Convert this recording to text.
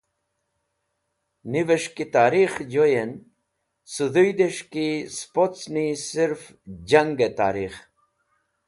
Nivẽsh ki tarikhẽ joyẽn sedhũdẽs̃h ki sẽpocni sirf jangẽ tarikh.